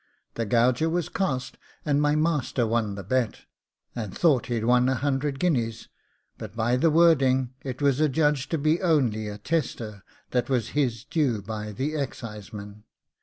The gauger was cast, and my master won the bet, and thought he'd won a hundred guineas, but by the wording it was adjudged to be only a tester that was his due by the exciseman.